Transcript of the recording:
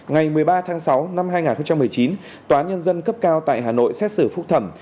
ngày một mươi ba tháng sáu năm hai nghìn một mươi chín tòa nhân dân cấp cao tại hà nội xét xử phúc thẩm